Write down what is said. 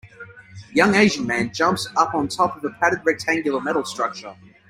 Young Asian man jumps up on top of a padded rectangular metal structure.